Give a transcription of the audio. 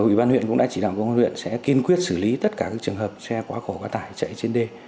ủy ban huyện cũng đã chỉ đạo công an huyện sẽ kiên quyết xử lý tất cả các trường hợp xe quá khổ quá tải chạy trên đê